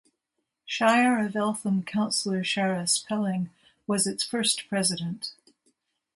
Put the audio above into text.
Shire of Eltham Councillor Charis Pelling was its first President.